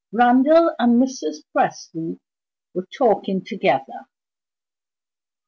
Randal and Mrs. Presty were talking together.